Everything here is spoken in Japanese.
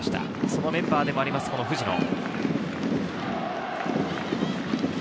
そのメンバーでもある藤野。